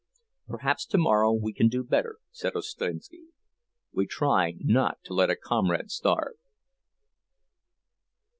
"Perhaps tomorrow we can do better," said Ostrinski. "We try not to let a comrade starve."